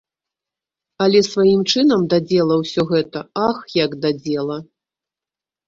Але сваім чынам да дзела ўсё гэта, ах, як да дзела!